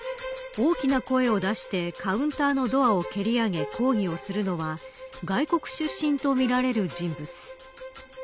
大きな声を出してカウンターのドアを蹴り上げ抗議するのは外国出身とみられる人物。